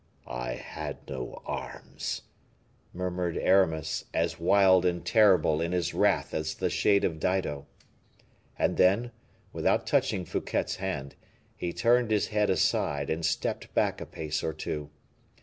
"I had no arms," murmured Aramis, as wild and terrible in his wrath as the shade of Dido. And then, without touching Fouquet's hand, he turned his head aside, and stepped back a pace or two.